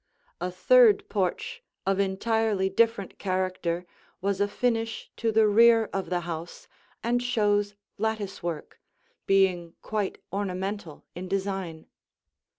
A third porch of entirely different character was a finish to the rear of the house and shows lattice work, being quite ornamental in design.